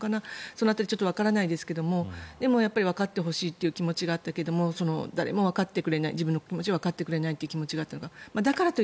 その辺りちょっとわからないですがでも、わかってほしいという気持ちがあったけれども誰もわかってくれない自分の気持ちをわかってくれない気持ちがあったのかなと。